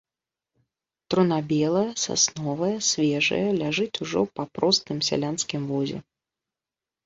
Труна белая, сасновая, свежая ляжыць ужо па простым сялянскім возе.